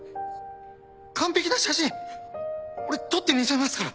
完璧な写真俺撮ってみせますから